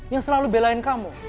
yang selalu belain kamu